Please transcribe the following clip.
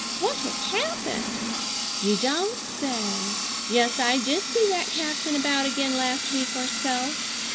What has happened? You don't say! Yes, I did see that captain about again last week or so.